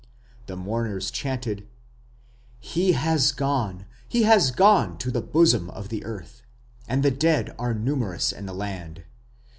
The mourners chanted: He has gone, he has gone to the bosom of the earth, And the dead are numerous in the land....